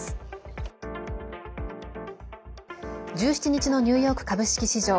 １７日のニューヨーク株式市場。